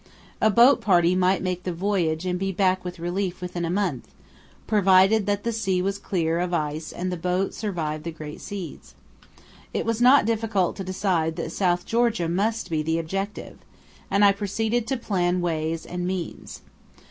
A boat party might make the voyage and be back with relief within a month, provided that the sea was clear of ice and the boat survive the great seas. It was not difficult to decide that South Georgia must be the objective, and I proceeded to plan ways and means.